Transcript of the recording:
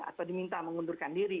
atau diminta mengundurkan diri